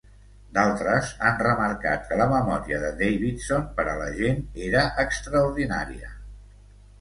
D'altres han remarcat que la memòria de Davidson per a la gent era extraordinària.